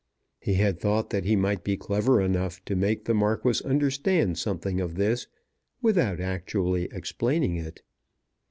He had thought that he might be clever enough to make the Marquis understand something of this without actually explaining it.